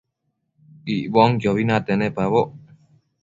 Icbonquiobi nate nepaboc